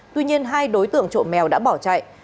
tuy nhiên hai đối tượng trộm mèo đã bỏ chạy